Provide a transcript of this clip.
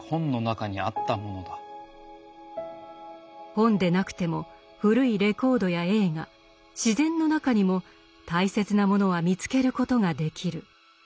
本でなくても古いレコードや映画自然の中にも大切なものは見つけることができる。